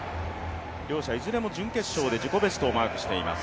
両者いずれも準決勝で自己ベストをマークしています。